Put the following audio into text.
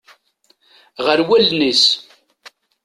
Ɣer wallen-is.